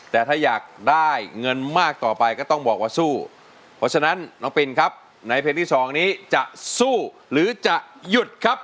แต่ถ้าอยากได้เงินมากต่อไปก็ต้องบอกว่าสู้เพราะฉะนั้นน้องปินครับในเพลงที่สองนี้จะสู้หรือจะหยุดครับ